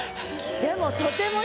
でも。